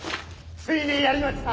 ついにやりました！